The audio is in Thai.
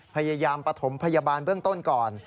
พยายามปฐมพยาบาลเบื้องต้นก่อน